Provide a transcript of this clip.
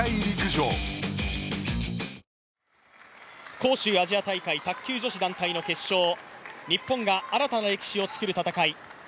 杭州アジア大会、卓球女子団体の決勝、日本が新たな歴史を作る戦い。